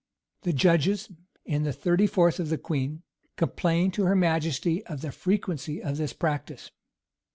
The judges, in the thirty fourth of the queen, complain to her majesty of the frequency of this practice.